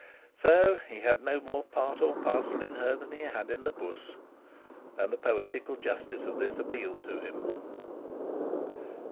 So he had no more part or parcel in her than he had in the Puss! And the poetical justice of this appealed to him.